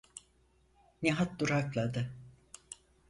Nihat durakladı.